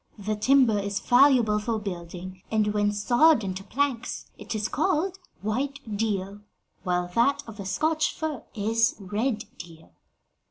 The timber is valuable for building; and when sawed into planks, it is called white deal, while that of the Scotch fir is red deal.